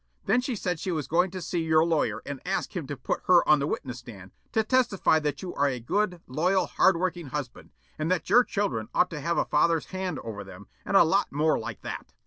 Then she said she was going to see your lawyer and ask him to put her on the witness stand to testify that you are a good, loyal, hard working husband and that your children ought to have a father's hand over them, and a lot more like that."